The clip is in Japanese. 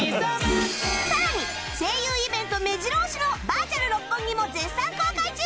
さらに声優イベントめじろ押しのバーチャル六本木も絶賛公開中！